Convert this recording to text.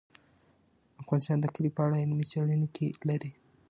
افغانستان د کلي په اړه علمي څېړنې لري.